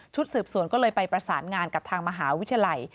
สืบสวนก็เลยไปประสานงานกับทางมหาวิทยาลัย